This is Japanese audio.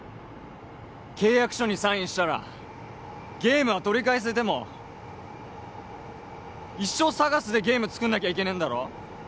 契約書にサインしたらゲームは取り返せても一生ＳＡＧＡＳでゲーム作んなきゃいけねえんだろ